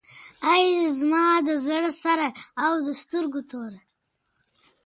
ای زما د زړه سره او د سترګو توره.